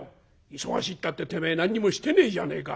「忙しいたっててめえ何にもしてねえじゃねえか」。